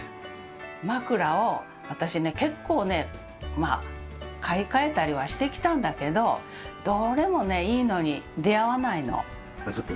枕を私結構ね買い替えたりはしてきたんだけどどれもねいいのに出会わないの。